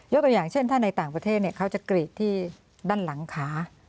ตัวอย่างเช่นถ้าในต่างประเทศเขาจะกรีดที่ด้านหลังขา